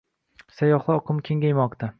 Sayyohlar oqimi kengaymoqda